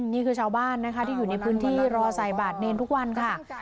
นี่คือชาวบ้านนะคะที่อยู่ในพื้นที่รอใส่บาทเนรทุกวันค่ะ